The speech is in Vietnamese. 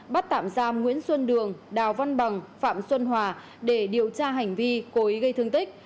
bắt tạm giam nguyễn xuân đường đào văn bằng phạm xuân hòa để điều tra hành vi cố ý gây thương tích